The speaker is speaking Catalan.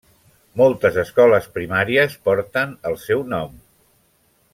Moltes escoles primàries porten el seu nom.